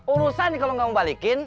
urusan nih kalau gak mau balikin